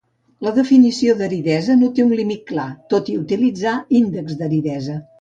La definició d'aridesa no té un límit clar, tot i utilitzar índexs d'aridesa.